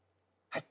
はい。